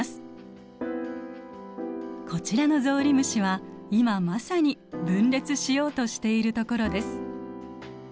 こちらのゾウリムシは今まさに分裂しようとしているところです。